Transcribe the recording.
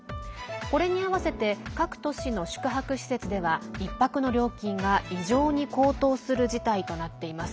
これに合わせて、各都市の宿泊施設では１泊の料金が異常に高騰する事態となっています。